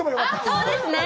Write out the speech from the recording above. そうですね。